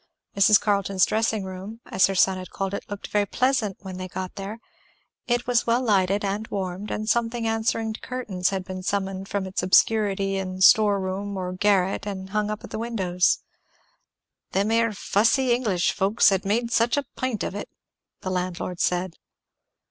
Mrs. Carleton's dressing room, as her son had called it, looked very pleasant when they got there. It was well lighted and warmed and something answering to curtains had been summoned from its obscurity in store room or garret and hung up at the windows, "them air fussy English folks had made such a pint of it," the landlord said.